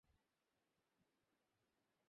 চ্যানেলটির পরিচালক রাজেন্দ্র শাক্য।